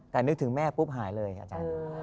แต่นึกถึงแม่ปุ๊บหายเลยอาจารย์